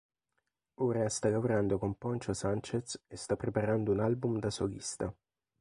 Ora sta lavorando con Poncho Sanchez e sta preparando un album da solista.